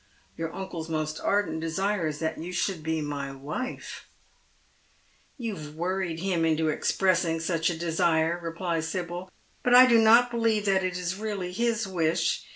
Your uncle's most ardent desire is that you should be my wife." " You have worried him into expressing such a desire," replies Sibyl ;" but I do not believe that it is really his wish.